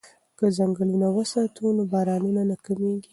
که ځنګلونه وساتو نو بارانونه نه کمیږي.